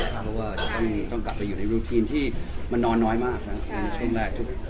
เพราะว่าอีกต้องกลับไปอยู่ในรุธีนที่มันนอนน้อยมากนะ